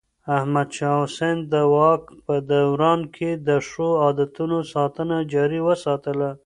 احمد شاه حسين د واک په دوران کې د ښو عادتونو ساتنه جاري وساتله.